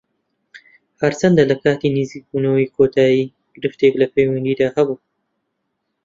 هەرچەندە لە کاتی نزیکبوونەوەی کۆتایی گرفتێک لە پەیوەندیدا هەبوو